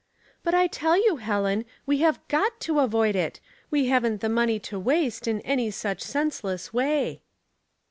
" But I tell you, Helen, we have got to avoid it. We haven't the money to waste in any such senseless way."